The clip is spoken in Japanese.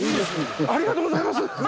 ありがとうございます！